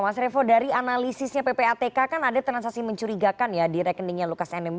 mas revo dari analisisnya ppatk kan ada transaksi mencurigakan ya di rekeningnya lukas nmb